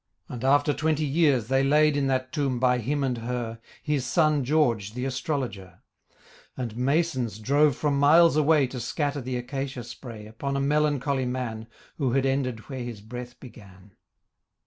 And after twenty years they laid In that tomb by him and her, His son George, the astrologer; And Masons drove from miles away To scatter the Acacia spray Upon a melancholy man Who had ended where his breath began.